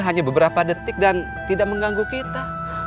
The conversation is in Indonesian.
hanya beberapa detik dan tidak mengganggu kita